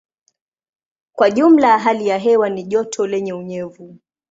Kwa jumla hali ya hewa ni joto lenye unyevu.